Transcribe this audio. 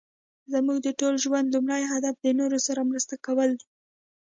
زموږ د ژوند لومړی هدف د نورو سره مرسته کول دي.